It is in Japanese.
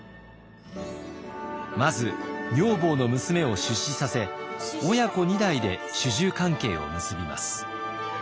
まず女房の娘を出仕させ親子２代で主従関係を結びます。